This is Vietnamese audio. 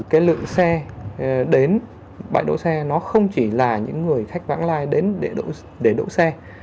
cái lượng xe đến bãi đỗ xe nó không chỉ là những người khách vãng lai đến để đỗ xe